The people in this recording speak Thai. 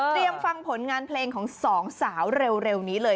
เตรียมฟังผลงานเพลงของ๒สาวเร็วนี้เลย